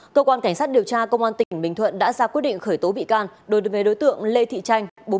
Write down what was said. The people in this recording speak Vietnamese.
cơ quan cảnh sát điều tra công an tỉnh bình thuận đã ra quyết định khởi tố bị can đối với đối tượng lê thị tranh